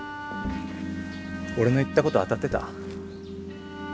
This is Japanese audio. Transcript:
俺の言ったこと当たってた？